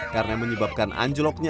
karena menyebabkan anjloknya